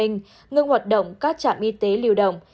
ngưng hoạt động các trạm y tế liều động